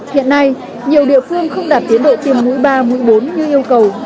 hiện nay nhiều địa phương không đạt tiến độ tiêm mũi ba mũi bốn như yêu cầu